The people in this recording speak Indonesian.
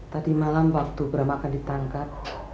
tadi malam waktu bram akan ditangkap